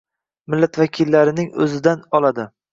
Millat vakillarining o‘zidan oladi.